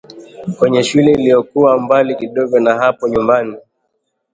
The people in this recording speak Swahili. kwenye shule iliyokuwa mbali kidogo na hapo nyumbani